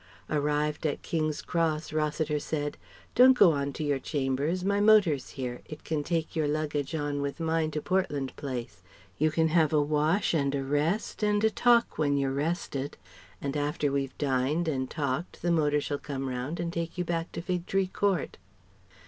Arrived at King's Cross Rossiter said: "Don't go on to your chambers. My motor's here. It can take your luggage on with mine to Portland Place. You can have a wash and a rest and a talk when you're rested; and after we've dined and talked the motor shall come round and take you back to Fig Tree Court."